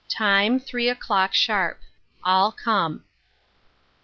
TIME, 3 O'CLOCK SHARP. ALL COME!